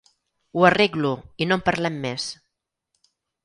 Ho arreglo, i no en parlem més.